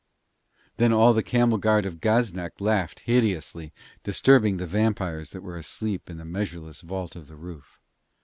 Then all the camel guard of Gaznak laughed hideously, disturbing the vampires that were asleep in the measureless vault of the roof.